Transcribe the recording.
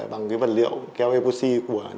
bằng cái vật liệu keo epoxy của hvc